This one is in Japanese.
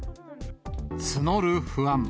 募る不安。